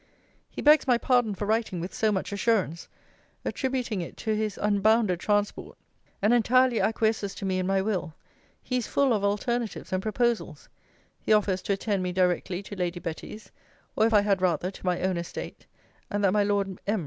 'He begs my pardon for writing with so much assurance; attributing it to his unbounded transport; and entirely acquiesces to me in my will. He is full of alternatives and proposals. He offers to attend me directly to Lady Betty's; or, if I had rather, to my own estate; and that my Lord M.